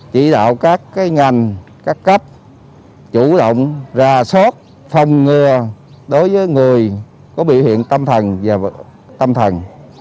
chỉ đạo các ngành các cấp chủ động ra sót phòng ngừa đối với người có biểu hiện tâm thần